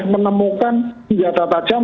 menemukan tiga data jam